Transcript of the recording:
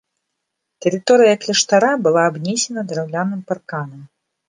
Тэрыторыя кляштара была абнесена драўляным парканам.